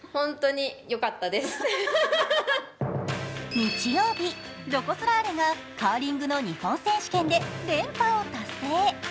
日曜日、ロコ・ソラーレがカーリングの日本選手権で連覇を達成。